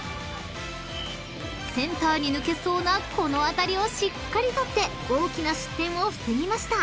［センターに抜けそうなこの当たりをしっかり捕って大きな失点を防ぎました］